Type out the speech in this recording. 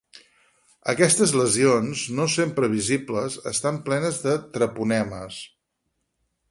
Aquestes lesions, no sempre visibles, estan plenes de treponemes.